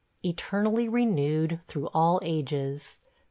... Eternally renewed, through all ages.